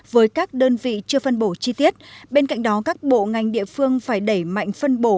với các đơn vị chưa phân bổ chi tiết bên cạnh đó các bộ ngành địa phương phải đẩy mạnh phân bổ